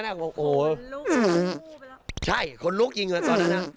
คนลุกกว่าคู่ไปแล้วนะครับใช่คนลุกจริงตอนนั้นครับ